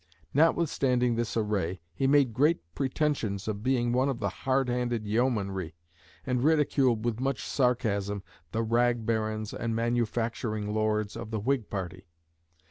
Notwithstanding this array, he made great pretentions of being one of the 'hard handed yeomanry,' and ridiculed with much sarcasm the 'rag barons' and 'manufacturing lords' of the Whig party.